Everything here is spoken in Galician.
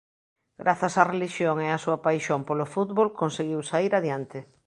Grazas á relixión e á súa paixón polo fútbol conseguiu saír adiante.